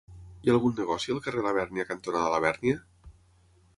Hi ha algun negoci al carrer Labèrnia cantonada Labèrnia?